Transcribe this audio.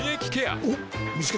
おっ見つけた。